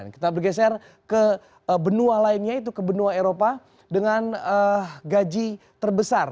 kita bergeser ke benua lainnya itu ke benua eropa dengan gaji terbesar